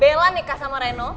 bella nikah sama reno